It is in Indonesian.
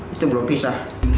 itu belum bisa